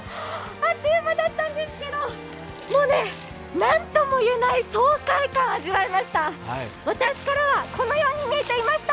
あっという間だったんですけど、なんとも言えない爽快感を味わえました。